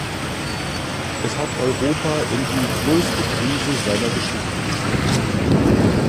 Es hat Europa in die größte Krise seiner Geschichte gestürzt.